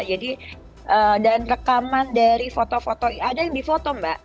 jadi dan rekaman dari foto foto ada yang di foto mbak